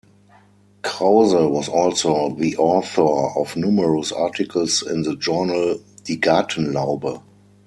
Krause was also the author of numerous articles in the journal "Die Gartenlaube".